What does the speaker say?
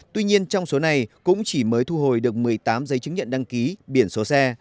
tuy nhiên trong số này cũng chỉ mới thu hồi được một mươi tám giấy chứng nhận đăng ký biển số xe